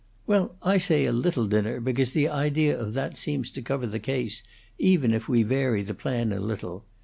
"Well, I say a little dinner because the idea of that seems to cover the case, even if we vary the plan a little.